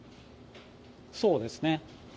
そうですね。